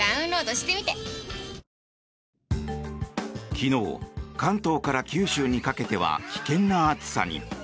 昨日、関東から九州にかけては危険な暑さに。